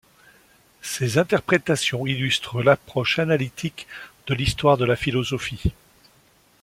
Ses interprétations illustrent l'approche analytique de l'histoire de la philosophie.